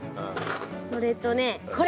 それとねこれ。